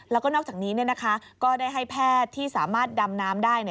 แล้วก็นอกจากนี้ก็ได้ให้แพทย์ที่สามารถดำน้ำได้